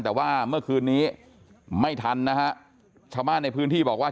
แต่ว่าเมื่อคืนนี้ไม่ทันนะฮะชาวบ้านในพื้นที่บอกว่า